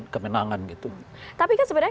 kemenangan gitu tapi kan sebenarnya